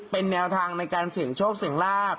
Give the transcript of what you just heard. เป็นแนวทางในการเสี่ยงโชคเสี่ยงลาบ